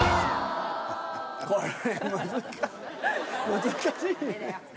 難しいね。